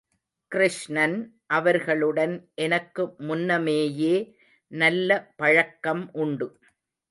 கிருஷ்ணன் அவர்களுடன் எனக்கு முன்னமேயே நல்ல பழக்கம் உண்டு.